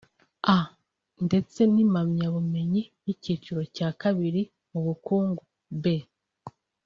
A) ndetse n’impamyabumenyi y’icyiciro cya kabiri mu bukungu (B